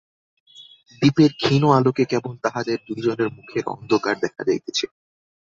দীপের ক্ষীণ আলোকে কেবল তাঁহাদের দুইজনের মুখের অন্ধকার দেখা যাইতেছে।